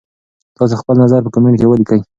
تاسي خپل نظر په کمنټ کي ولیکئ.